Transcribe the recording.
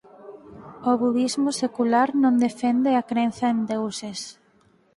O budismo secular non defende a crenza en deuses.